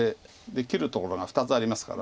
切るところが２つありますから。